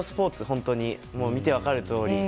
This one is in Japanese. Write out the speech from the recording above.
本当に、見て分かるとおり。